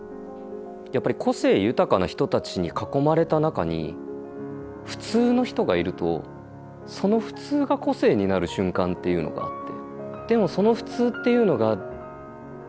やっぱり個性豊かな人たちに囲まれた中に普通の人がいるとその普通が個性になる瞬間っていうのがあって。